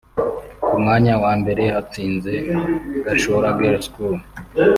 Ku mwanya wa mbere hatsinze Gashora Girls School